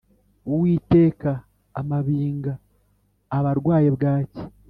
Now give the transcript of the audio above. • uwikeka amabinga aba arwaye bwaki